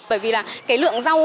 bởi vì là cái lượng rau